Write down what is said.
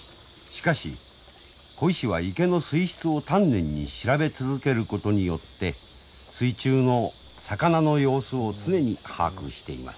しかし鯉師は池の水質を丹念に調べ続けることによって水中の魚の様子を常に把握しています。